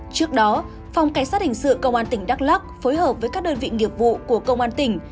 trước đó phòng cảnh sát hình sự công an tỉnh đắk lắc phối hợp với các đơn vị nghiệp vụ của công an tỉnh